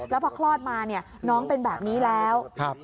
แล้วพอคลอดมาเนี่ยน้องเป็นแบบนี้แล้ว